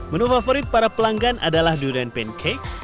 menu favorit para pelanggan adalah durian pancake